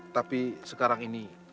tapi sekarang ini